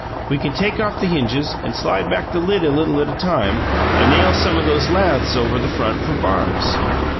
We can take off the hinges and slide back the lid a little at a time, and nail some o' those laths over the front for bars."